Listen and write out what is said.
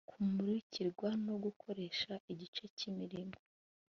kumurikirwa no gukoresha igice cy imirimo